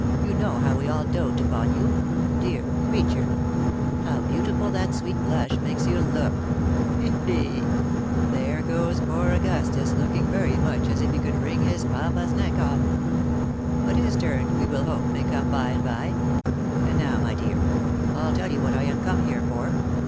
You know how we all dote upon you ! Dear creature ! How beautiful that sweet blush makes you look ! He, he ! there goes poor Augustus looking very much as if he could wring his papa's neck off. But his turn, we will hope, may come by and by. And now, my dear, I'll tell you what I am come here for.